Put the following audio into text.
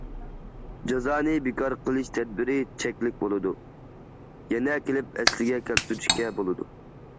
جازانى بىكار قىلىش تەدبىرى چەكلىك بولىدۇ، يەنە كېلىپ ئەسلىگە كەلتۈرۈشكە بولىدۇ.